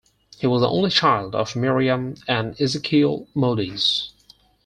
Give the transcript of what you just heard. He was the only child of Miriam and Ezekiel Modise.